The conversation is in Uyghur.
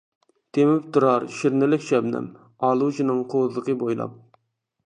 تېمىپ تۇرار شىرنىلىك شەبنەم، ئالۇچىنىڭ قوۋزىقى بويلاپ.